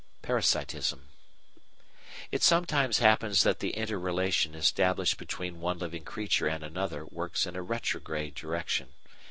Parasitism It sometimes happens that the inter relation established between one living creature and another works in a retrograde direction.